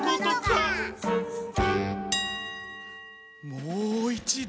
もういちど！